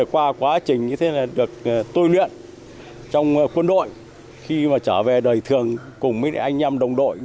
qua quá trình được tuyên luyện trong quân đội khi trở về đời thường cùng anh em đồng đội